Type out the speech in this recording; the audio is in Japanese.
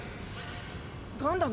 ガンダム。